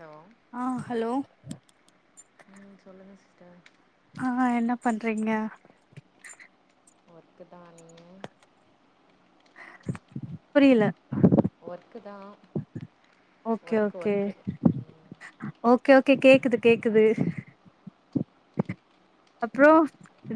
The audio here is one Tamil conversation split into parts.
ஹலோ ஆ ஹலோ ம் சொல்லுங்க த ஆஹ் என்ன பண்றீங்க ஒர்க் தான் புரியல ஒர்க்கு தான் ஒகே ஒர்க்கு ஒகே ஒர்க்கு ம் ஒகே ஒகே கேக்குது கேக்குது அப்புறம்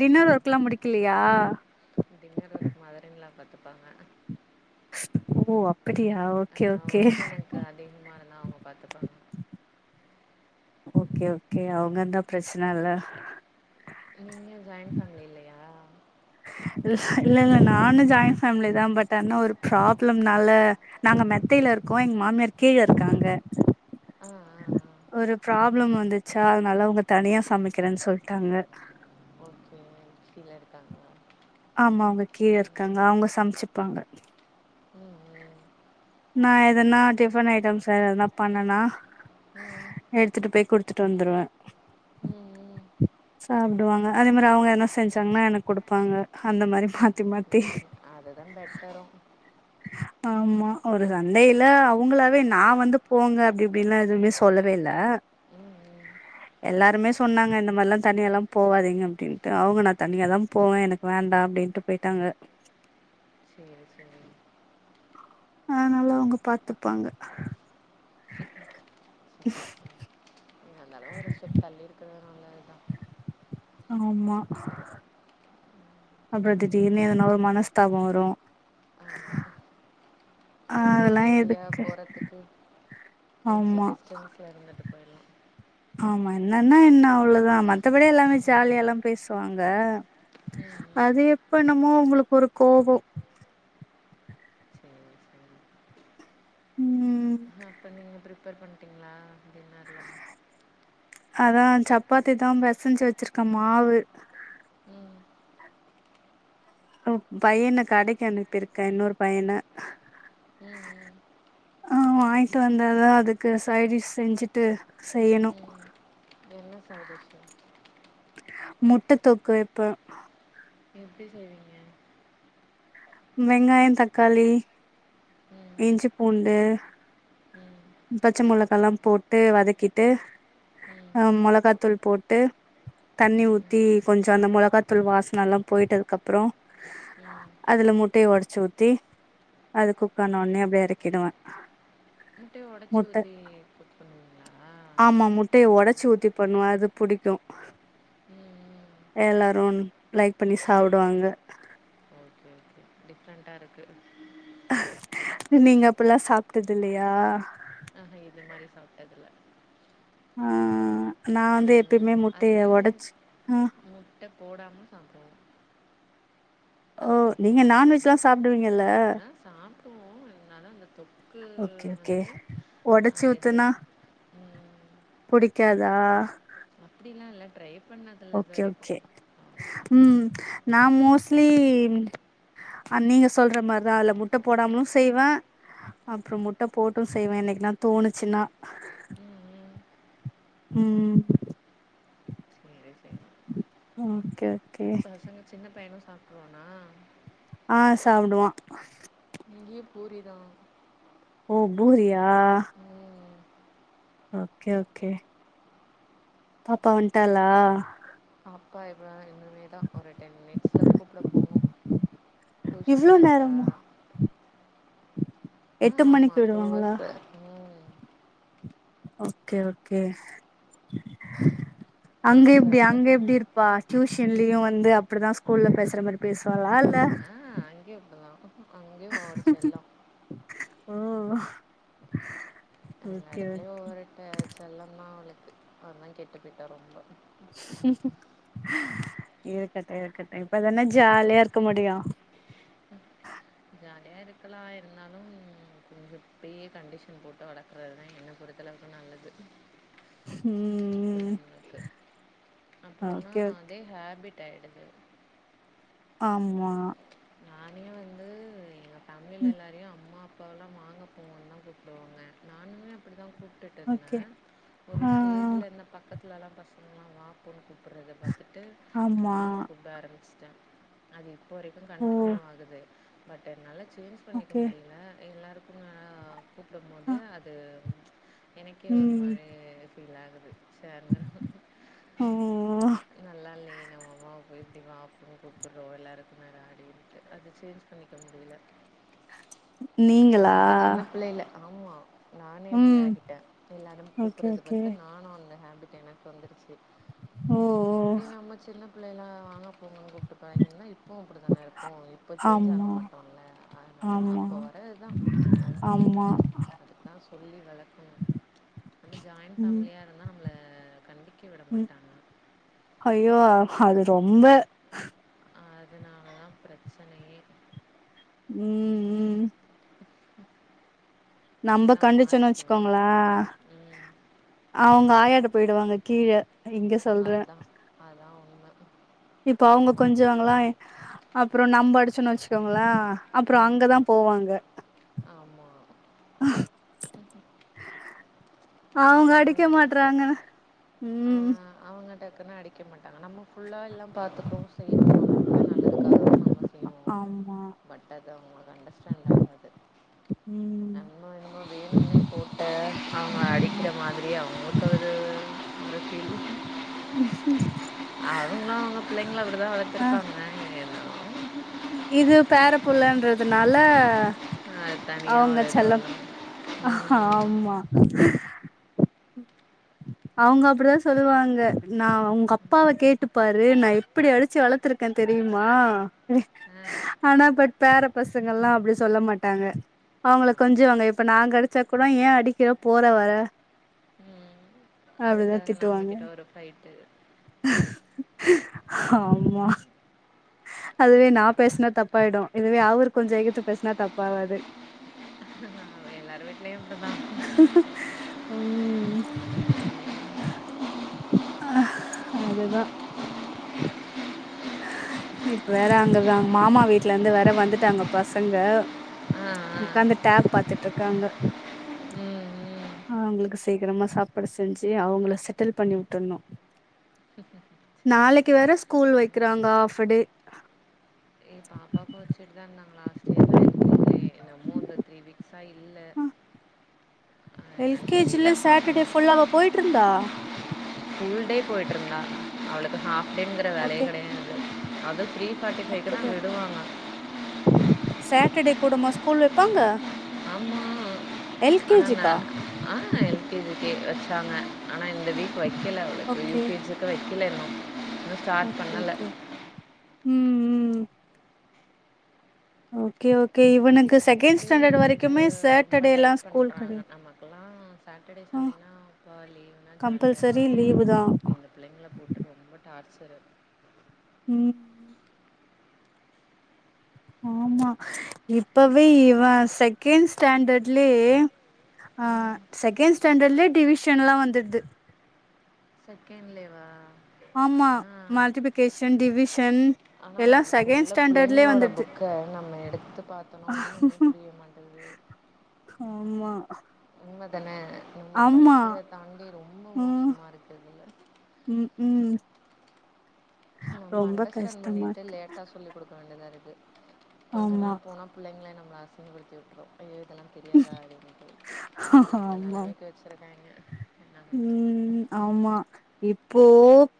டின்னர் ஒர்க் எல்லாம் முடிக்கலையா கேக் டின்னர் இருக்கு மாதிர எல்லாம் பாத்துப்பாங்க ஓ அப்படியா ஓகே ஆ ஓகே ஒர்க் எனக்கு அதிகமா அவங்க பார்த்துப்பாங்க ஓகே ஒஓகே அவங்கந்தான் பிரச்சனை இல்ல நீங்க ஜாயின்ப்ஃபேமிலி இல்லையா இல்ல இல்ல நானும் ஜாயின் ஃமிலி தான் பட் ஆனா ஒரு ப்ராப்ளம்னால நாங்க மெத்தையில இருக்கோம் எங்க மாமியார் கீழ இருக்காங்க ஆ ஆ ஆ ஒரு பிராப் வந்துச்சா அதனால உங்க தனியா சமைக்கிறேன்னு சொல்லிட்டாங்க ஓகே இருக்காங்களா ஆமா அவங்க கீழே இருக்காங்க ம் அவங்க சமைச்சு வப்பாங்க ம் ம் நா எதனா சேரி சேரி டிஃபன் ஐட்டம் சார் எதுனா பண்ணனா ம் எடுத்துட்டு போய் குடு த்துட்டு வந்துருவ ம் ம் சாப்டுவாங்க அதே மாரி அவங்க என்ன செஞ்சாங்கன்னா எனக்கு குடுப்பாங்க அந்த மாரி மாத்தி மாத்தி அதுதா பெட்டரு ஆமா ஒரு சந்தையில அவங்களாவே நா வந்து போங்க அப்டி இப்டின்லா எதுமே சொல்லவே இல்ல ம் ம் எல்லாருமே சொன்னாங்க இந்த மாரில்லா தன்னியால்லாம் போவாதீங்க அப்டின்டு அவங்க நா தனியாதா போவ எனக்கு வேண்டா அப்டின்டு போயிட்டாங்க சேரி சேரி அதனால அவங்க பாத்துப்பாங்க என்ன இருத்தாலு ஒரு ஸ்டெப் தள்ளி இருக்கு ஆமா அப்பறோ திடீர்னு எதுனா ஒரு மனஸ்தாபோ வரு அ அதெல்லா போவாரே ரெடியா எதுக்கு போறதுக்கு எப்டி ஆமா டிஸ்டன்ஸ்ல இருந்துட்டு போயிர்லா ஆமா என்னன்னா என்ன அவ்ளோதா மன் மத்தபடி எல்லாமே ம். ஜாலியா எல்லாம் பேஸ் வாங்க ம் ம். அது எப் இப்ப என்னமோ உங்களுக்கு ஒரு கோவோ சேரி சேரி. ம் அப்போ நீங்க ஃப்ரிப்பேர் பண்ணிட்டிங்களா அப்டின்னு அதா சப்பாத்திதா பெசஞ்சு வெச்சுருக்க மாவு ம் பையன கடைக்கு அனுப்பிருக் இன்னொரு பையன ம் ம் ஆ வாங்கிட்டு வந்தாதா அதுக்கு சைடிஷ் செஞ்சுட்டு செய்யணு லூஸ் ஆயிடுச்சு முட்ட தொக்கு வெப்ப எப்டி செய்வீங்க வெங்காயந் தக்காளி ம் இஞ்சி பூண்டு ம் பச்ச மொளகால்லா போட்டு வதக்கிட்டு ம் ஆ மொளகாத்தூள் போட்டு தண்ணி ம் ஊத்தி கொஞ்ச அந்த மொளகாத்தூள் வாசன எல்லா போயிட்டதுக்கு அப்பறோ ம். அதுல முட்டைய ஒடச்சு ஊத்தி அதுக்குப் குக்கான ஒன்னே அப்டியே இறக்கிடுவ முட்டைய ஒடச்சு ஊத்தி கொத்து பண்ணுவீங்களா ச்சு ஊத்தி பண்ணுவ அது புடிக்கு ம் ம். எல்லாருன் லைக் பண்ணி சாப்புடுவாங்க ஓகே ஓகே டிஃப்ரெண்ட்டா இருக்கு நீங்க அப்படியெல்லாம் சாப்பிட்டது இல்லையா ஆஹ்ஹ இது மாரி சாப்பிட்டதுல ஆஹ் உஹ அதுலயே ஆ முட்டை போடாம சாப்பிடுவோம் ஓ அந்த தொக்கு நீங்க மட்டும் நான்வெஜ்லா சாப்டுவீங்கல்ல ஆஹ் சாப்புடுவோம் இருந்தாலும் அந்த தொக்கு ஓகே ஓகே வந்து உடைச்சு அந்த இது ஊத்துனா புடிக்காதா அப்படிலாம் இல்லலை ட்ரைப் ஓகே ஓகே உம் நான் மோஸ்லி நீங்க சொல்ற மாதிரிதான் அதுல முட்டை போடாமலும் செய்வேன் அப்புறம் முட்டை போட்டும் செய்வேன் என்னைக்கு நான் தோணுச்சுன்னா [unintelligible] உம் சேரி சேரி ஓகே ஓகே பசங்க சின்ன பையனும் சாப்பிட [inaudible] ஆஹ் சாப்பிடுவான் இங்க பூரிதான் ஓ பூரியா ம் ஓகே ஓகே பாப்பா வண்டாலா பாய் பாய் இனிமே தான் ஒரு டென் மினிட்ஸில கூப்பிட போகணும் இவ்ளோ டியூஷன்ல இருக்கா நேரமா எட்டு ஆஹ் ஆமா மணிக்கு டூ விடுவாங்களா ஹவர்ஸ் உம் ஓகே ஓகே அங்க கொஞ்சோ எப்படி அங்க அப்பதா எப்படி இருப்பா டியூஷன் லீவ் வ வந்து அப்படிதான் ஸ்கூல்லல பேசுற மாரி பேசுவோம் லா ஆஹ் அங்கேயூம் அப்புடிதான் அங்கேயும் ஒவரு செல்லம் ஓ [inaudible] எல்லா ஓகே ஓகே இடத்துலயும் அவருட்ட செல்லந்தான் அவுளுக் அதான் கெட்டு போயிட்டான் ரொம்ப ஹும் ஹ் ஹ இருக்கட்டும் இருக்கட்டும் இப்பதான ஜாலியா இருக்க முடியும் ஜாலியா இருக்கலாம் இருந்தாலும் கொஞ்சம் இப்பையே கண்டிஷன் போட்டு வளர்க்குறதுதான் என்ன பொறுத்தளவுக்கு நல்லது ம் பிள்ளைங்களுக்கு அப்றனா ஓகே ஓகே. அதே ஹேபிட் டாயடுது ஆமா நானே வந்து எம்ப் உம் அம்மா அப்பாவெலாம் வாங்க போங்கன்னு தான் கூப்டுவாங்க நானுமே அப்டி தான் கூப் கூப்ட்டுட்டு ஓகே இருந்தேன் ஒரு ஆ ஆ ஸ்டேஜ்ல என்ன பக்கத் கால பசங்கலாம் வா போன்னு கூப் கூப்ட்றத பாத்துட்டு ஆமா நானும் கூப்ட ஆரம்பிச் கஷ்டம் அது இப்போ வரைக்கும் ஓ கண்டினியூ ஆகுது பட் னால சேஞ்ச் பண்ணிக்க ஓகே முடியல எல்லாரும் அஅ கூப்டும் போது ஆ அது எனக்கே ஒரு ம் மாரி ஃபீல் ஆகுது ம் நல்லா இல்லயே இந்த முகம் வீட்டுக்கு ஆப்பும் கூப்பிடடுறோம் எல்லாருக்கும் [inaudible] அப்டின்ட்டு அது சேஞ்ச் பண்ணிக்க முடியல நீங்களா அதனால சின்ன அ பிள்ளையில ஆமா நானே இப்டி ஆகிட்டேன் எல்லாரும் ஓகே கூப்டறது ஓகே பாத்து நானும் அந்த ஹே எனக்கு வந்து ஓ ஓ இதே நம்ம சின்ன பிள்ளையெல்லாம் வாங்க போங்கனு கூப்பிட்டுப்பாங்கன்னா இப் இப்பவும் அப்படி தானே இருக்கோம் இப்போ சேஞ்ச் ஆக ஆமா மாட்டோம்ல அதனால ஆமா அப்போ வரதுதான் நல்ல தான் ஆமா அது தான் நம்ம ஜாயிண்ட் ம் ஃபேமிலியா இருந்தா நம்ப்ள கண்டிக்க விட ம் மாட்டாங்க அ அதனால தான் பிரச்சனையே ம் ம் நம்ம அதெல்லாம் கண்டுச்சோன்னு மாறிட்டு வா வச்சுக்கோங்களான் ம் அவங்க ஆயட பெய்டுவாங்க கீழே இங்க சொல்றேன் அதா அதா உண்ம இப்ப அவங்க கொஞ்சுவங்களா அப்புறம் நம்ம அடிச்சுன்னு வச்சு க்குங்களா அப்றம் அங்கதான் போவாங்க ம்ம் அவங்க அடிக்க மாட்டறாங்கன்னு ஆ உம் அவங்க அடிக்க மாட்டாங்க நம்ம புள்ள எல்லாம் பாத்துக்கும் செய்றோம் நம்ம புள்ள நல்லதுக்காக தான் நம்ம ம் ஆமா பட் அது அவங்களுக்கு அண்டஸ்டேண்டு ஆகுது ம் நம்மு என்னமோ வேணும்னே போட்டு அவங்க அடி ஆமா க்குற மாதிரியே அவங்களுக்கு ஒரு [unintelligible] ம்க்ம் அதுன்னா அவுங்க பிள்ளைங் எல்லா அப்புடிதா வளத்துருப்பாங்க இது பேரப்புள்ளன்றதுனால அ தனியா ஒரு இது வருமுள்ள ம் [unintelligible] அவங்க அப்புடிதா சொல்லுவாங்க நா உங்க அப்பாவ கேட்டுப்பாரு நா எப்புடி அடுச்சு வளர்த்துருக்க தெரியுமா ம் ஆனா பட் பேற பசங்கள்லா அப்புடி சொல்ல மாட்டாங்க அவங்கள ஆ ஆமா கொஞ்சுவாங்க இப்ப நாங்க அடிச்சா கூட ஏ அடிக்கிற போற வர ம் அப்டிதா அதுக்காக திட்டுவாங்க நம்மகிட்ட ஒரு ஃபைட்டு் ஆமா அதுவே நா பேசுனா தப்பாயிடு இதுவே அவுரு கொஞ்ச எகுத்து பேஸ்னா தப்பாகாது எல்லாரு வீட்லயு இப்டிதா ம் அதுதா இப்ப வேற அங்க அவுங்க மாமா வீட்ல இருந்து வேற வந்துட்டாங்க பசங்க ஆ ஆ உக்காந்து டேப் பாத்துட்டுருக்காங்க ம் ம் அவங்களுக்கு சீக்கரமா சாப்பட செஞ்சு அவங்கள செட்டில் பண்ணி விட்றணு சரி நாளைக்கு சரி வேற ஸ்கூல் ஆனா வைக்கிறாங்க ஆஃப்படே இயர்னா எல்கேஜிலயே என்னமோ அந்த த்ரீ வீக்ஸ் சா இல்ல அ எல் என்னன் கே ஜி ல தெரில பாப்போ சாட்டர்டே ஃபுல்லா அவ போயிட்டு இருந்தா ஃபுல் டே போயிட்ருந்தா அவளுக்கு பாப் அப்டிங்கற வேலையே ஓகே கெடையாது அது த்ரீ ஃபாட்டிபைக்கெல்லா அங்க சேட்ட டே கூடமா ஸ்கூல் வெப்பாங்க ஆமா ஆனா ஆ எல்கேஜிக்கு வெச்சாங்க ஆனா இந்த வீக் வெக்கல அவளுக்கு ஓகே யூகேஜிக்கு வெக் இல்ல இல்ல இன்னு ஸ்டாட் ஓகே பண்ணல ஓகே ம் ம் ஓகே ஓகே இவனுக்குஸ் இப்பயே போயிட்டு ரொம்ப டையிட் ஸ்கூல் பண்றாங்க கெடையாது நமக்கல்லா சாட்டடே ஆ சண்டேனா இப்போ லீவுனா ஜாலிய கம்பல்சரி இருப்போ லீவு தா இந்த புள்ளைங்கள போட்டு ரொம்ப டார் ச்சரு ம் ஆமா இப்பவே இவ செகண் ஸ்டேண்டல்லயே ஆ ம். செகண்ட் ஸ்டேண்டுல்லயே டிவிஷ் ஷன் எல்லா வந்துருது செகண்ட்லேவா ஆமா மல்டிப்ளிகேஷன் டிவிஷன் ஆனா எல்லாம் இப்போ செகண்ட் உள்ள ஸ்டாண்டர்ட்லே பிள்ளைங்களோட வந்துடுது புக்க நம்ம எடுத்து பாத்தோம்னா ஒண்ணுமே புரிய மாட்டேங்குது. ஆமா தனே நம்ம ஆமா படிச்சத தாண்டி ரொம்ப மோசமாருக்கு உம் ம் நம்ம ரொம்ப அண்டர்ஸ்டாண்ட் கஷ்டமா பண்ணிட்டு இருக்கு லேட்டா சொல்லி குடுக்க வேண்டியதாருக்கு கொஞ்ச ஆமா நாள் போனா புள்ளங்ளே நம் ம அசிங்க படுத்திவிட்ரும் ஐயோ அதெல்லாம் தெரியாதா அப்படினுட்டு அந்த ஆமா நெலைமைக்கு வச்சிருக்காங்க என்ன பண்றது ம் ஆமா இப்போ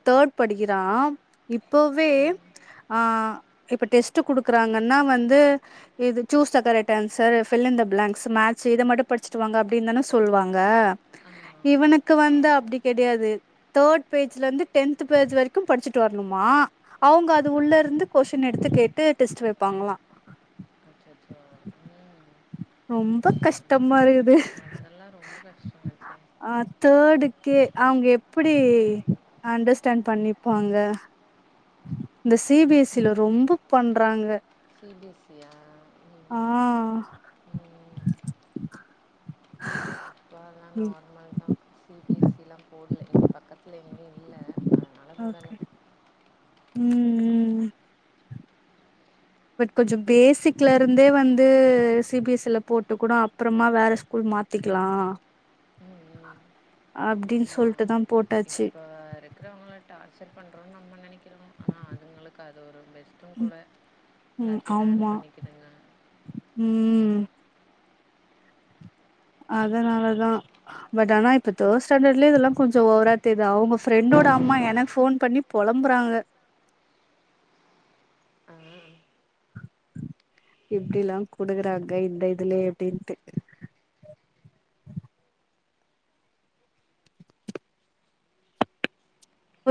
தேர்ட் படிக்கிறான் இப்போவே ம் ஆஹ் இப்ப டெஸ்ட் குடுக்குறாங்கன்னா வந்து இது choose the correct answers fill in the blanks match இத மட்டும் படிச்சங்க அப்ப்டனுதானே சொல்லுவாங்க ஆமா இவனுக்கு வந்து அப்படி கிடையாது தேர்ட் பேஜ்ல இருந்து டென்த் பேஜ் வரை படிச்சட்டு வரனுமா அவுங்க அது ஆ உள்ள இருந்து கொஸ்டின் எடுத்து கேட்டு் வைப்பாங்களாம் அச்சச்சோ ம் ரொம்ப கஷ்டமாருக்கு அதெல்லா ரொம்ப கஷ்டமாச்சே அஹ் தேர்டு அவுங்க எப்படி ம் அண்டர்ஸ்டாண்ட் பண்ணிப்பாங்க இந்த சிபிஎஸ் சீல ரொம்ப பண்றாங்க பிசியா ஆஹ் அப்போ அதெலாம் நார்மல் தான் சிபிஎஸ்சிலாம் போடல இங்க பக்கத்ல் எங்கயும் இல்ல அதனால போடல உம் பட் கொஞ்சம் பேசிக்ல இருந்தே வந்து சிபிஎஸ் ல போட்டு கூட அப்புறமா வேற ஸ்கூல் மாத்திக்கலாம் ம் அப்படின்னு சொல்லிட்டுதான் போட்டாச்சு இருக்குறவங்கள டார்ச்சர் பண்றோனன் நம்ம நினைக்க பாக்கும் ஆனால் அதுங்களுக்கு அது ஒரு பெஸ்ட்டும் கூட ம் எல்லாத்தையும் லேன் ஆமா பண்ணிக்கதுங்க ம் அதனாலதான் பட் ஆனா இப்ப தேர்ட் ஸ்டாண்டர்ட்லே இதெலாம் கொஞ்சம் ஓவரா தெருது அவங்க ஃப்ரண்டோட அம்மா எனக்கு ஃபோன் பண்ணி பொழம்புறாங்க ஆ எப்டிலாம் குடுக்குறாங்க இந்த இதுலே எப்டின்ட்டு ஒரு